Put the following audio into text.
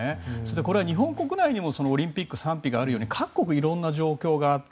これは日本国内にもオリンピック賛否があるように各国色んな状況がある。